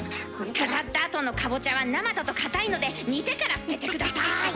飾ったあとのかぼちゃは生だとかたいので煮てから捨てて下さい。